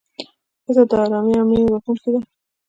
ښځه د ارامۍ او مینې بښونکې ده.